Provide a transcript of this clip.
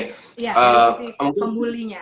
ya dari sisi pembulinya